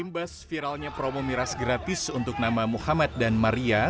imbas viralnya promo miras gratis untuk nama muhammad dan maria